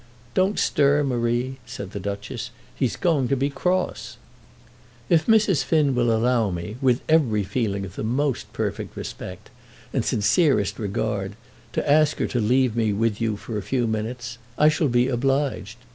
"Don't stir, Marie," said the Duchess; "he is going to be cross." "If Mrs. Finn will allow me, with every feeling of the most perfect respect and sincerest regard, to ask her to leave me with you for a few minutes, I shall be obliged.